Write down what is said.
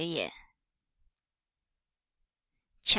CHAP.